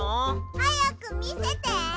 はやくみせて。